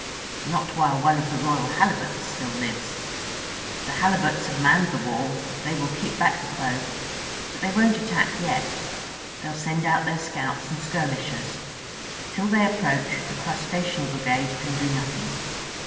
"Not while one of the Royal Halibuts still lives. The Halibuts have manned the wall; they will keep back the foe. But they won't attack yet. They'll send out their scouts and skirmishers. Till they approach, the Crustacean Brigade can do nothing.